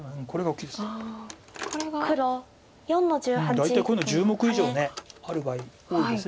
大体こういうのは１０目以上ある場合多いです。